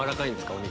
お肉。